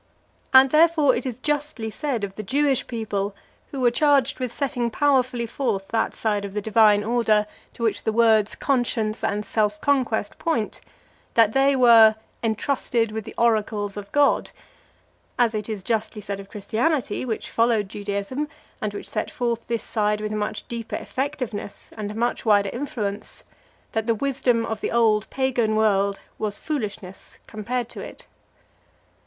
And, therefore, it is justly said of the Jewish people, who were charged with setting powerfully forth that side of the divine order to which the words conscience and self conquest point, that they were "entrusted with the oracles of God;"+ as it is justly said of Christianity, which followed Judaism and which set forth this side with a much deeper effectiveness and a much wider influence, that the wisdom of the old Pagan world was foolishness compared to it.